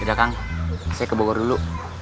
udah kang saya ke bogor dulu